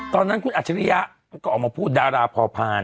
ตอนนั้นคุณอัจฉริยะก็ออกมาพูดดาราพอพาน